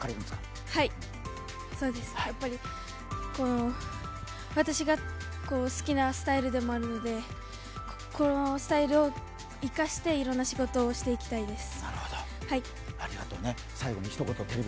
はい、やっぱり私が好きなスタイルでもあるので、このスタイルを生かして、いろんな仕事をしていきたいです。